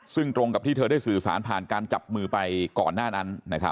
ซึ่งตรงกับที่เธอได้สื่อสารผ่านการจับมือไปก่อนหน้านั้น